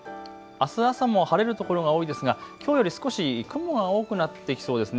あす朝も晴れる所が多いですがきょうより少し雲が多くなってきそうですね。